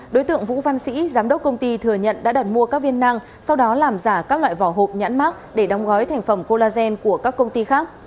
đối tượng vũ văn sĩ giám đốc công ty thừa nhận đã đặt mua các viên năng sau đó làm giả các loại vỏ hộp nhãn mát để đóng gói thành phẩm collagen của các công ty khác